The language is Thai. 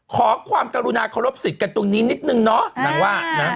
ขอความกรุณาเคารพสิทธิ์กันตรงนี้นิดนึงเนาะนางว่านะ